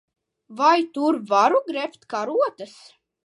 Vai tur varu grebt karotes?